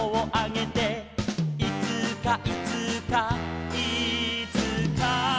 「いつかいつかいつか」